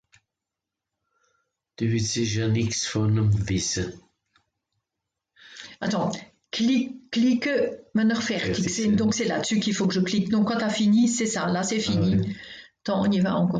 Dü wìtt sìcher nìx vùm wìsse ?